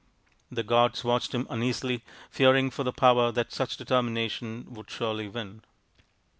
The gods watched him uneasily, fearing for the power that such determination would surely win.